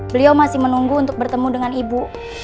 beliau masih menunggu untuk bertemu dengan ibu